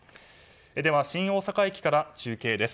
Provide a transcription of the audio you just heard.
では、新大阪駅から中継です。